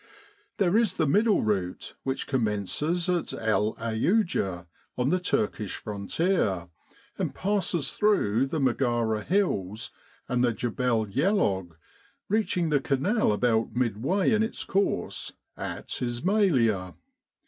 There is the middle route which commences at El Audja on the Turkish fron tier, and passes through the Megara hills and the Djebel Yellog, reaching the Canal about midway in its course, at Ismailia.